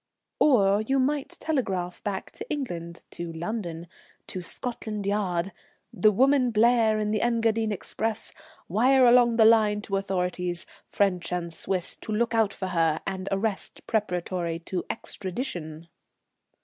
"Or you might telegraph back to England, to London, to Scotland Yard: 'The woman Blair in the Engadine express. Wire along the line to authorities, French and Swiss, to look out for her and arrest preparatory to extradition.'"